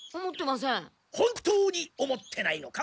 本当に思ってないのか？